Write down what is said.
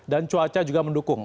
dan cuaca juga mendukung